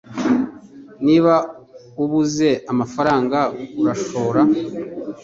Niba ubuze amafaranga urashobora